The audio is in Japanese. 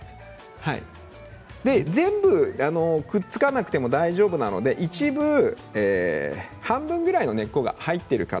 全部くっつかなくても大丈夫なので半分ぐらいの根っこが入っている形。